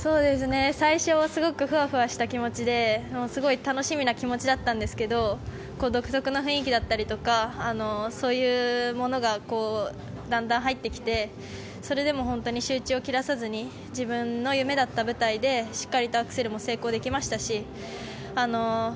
最初はすごくふわふわした気持ちですごい楽しみな気持ちだったんですけど独特な雰囲気だったりとかそういうものがだんだん入ってきてそれでも本当に集中を切らさずに自分の夢だった舞台でしっかりとアクセルも成功できましたし